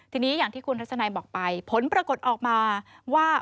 ทีนี้อย่างที่คุณทัศนัยบอกไปผลปรากฏออกมาว่า